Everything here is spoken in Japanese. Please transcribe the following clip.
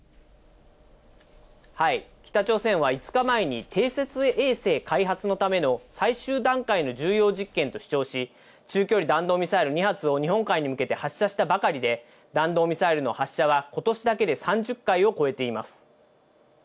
北朝鮮は５日前に、偵察衛星開発のための最終段階の重要実験と主張し、中距離弾道ミサイル２発を日本海に向けて発射したばかりで、弾道ミサイルの発射は、ことしだけで３０回を超えています。